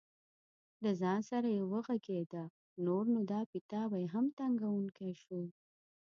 له ځان سره یې وغږېده: نور نو دا پیتاوی هم تنګوونکی شو.